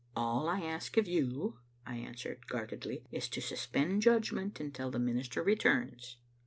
" All I ask of you," I answered guardedly, " is to sus pend judgment until the minister returns."